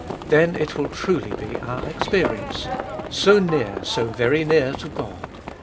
Then it will truly be our experience — So near, so very near to God.